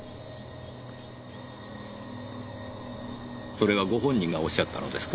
それはご本人がおっしゃったのですか？